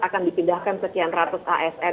akan dipindahkan sekian ratus asn